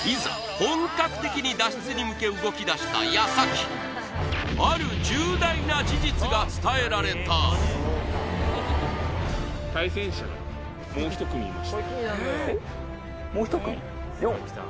本格的に脱出に向け動きだした矢先ある重大な事実が伝えられたえっ？